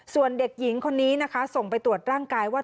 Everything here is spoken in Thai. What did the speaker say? ส่วนเด็กหญิงคนนี้นะคะส่งไปตรวจร่างกายว่า